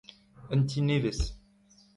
un ti nevez